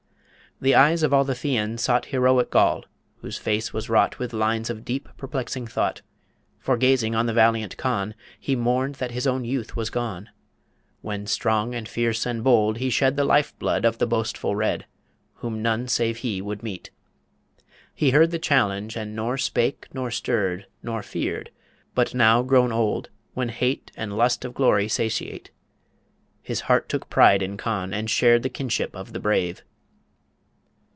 The eyes of all the Fians sought Heroic Groll, whose face was wrought With lines of deep, perplexing thought For gazing on the valiant Conn, He mourned that his own youth was gone, When, strong and fierce and bold, he shed The life blood of the boastful Red, Whom none save he would meet. He heard The challenge, and nor spake, nor stirred, Nor feared; but now grown old, when hate And lust of glory satiate His heart took pride in Conn, and shared The kinship of the brave.